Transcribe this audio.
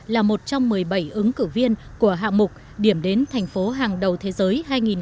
là một trong một mươi bảy ứng cử viên của hạng mục điểm đến thành phố hàng đầu thế giới hai nghìn hai mươi